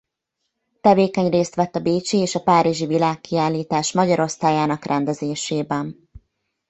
Tevékeny részt vett a bécsi és a párizsi világkiállítás magyar osztályának rendezésében.